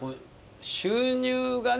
収入がね